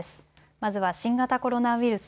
まずは新型コロナウイルス。